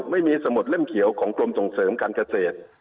ไม่มีสมุดเล่มเขียวของกรมส่งเสริมการเกษตร